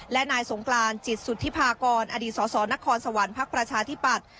และนายสงกรานจิตสุธิภากรอดีตสสนครสวรรคประชาธิปัตย